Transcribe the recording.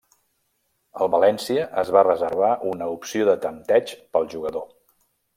El València es va reservar una opció de tempteig pel jugador.